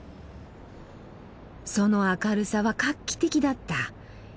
その明るさは画期的だった。